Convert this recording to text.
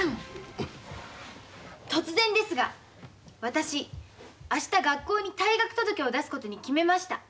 突然ですが私明日学校に退学届を出すことに決めました。